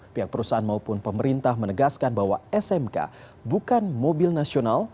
pihak perusahaan maupun pemerintah menegaskan bahwa smk bukan mobil nasional